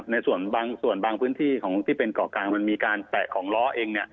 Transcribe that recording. ในส่วนบางส่วนบางพื้นที่ของที่เป็นเกาะกลางมันมีการแตะของล้อเอง